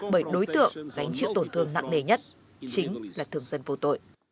bởi đối tượng gánh chịu tổn thương nặng nề nhất chính là thường dân vô tội